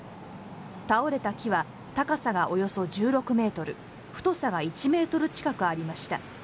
倒れた木は高さがおよそ１６ｍ太さが１ｍ近くありました。